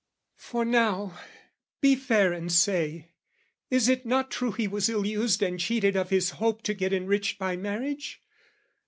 For now, be fair and say, is it not true He was ill used and cheated of his hope To get enriched by marriage?